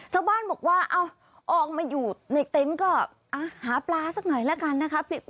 ชาวบ้านบอกว่าออกมาอยู่ในเต็นต์ก็หาปลาสักหน่อยละกันนะคะ